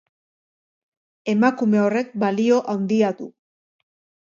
Emakume horrek balio haundia du